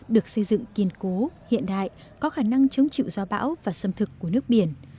được xây dựng kiên cố hiện đại có khả năng chống chịu gió bão và xâm thực của nước biển